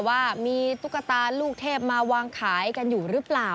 ว่ามีตุ๊กตาลูกเทพมาวางขายกันอยู่หรือเปล่า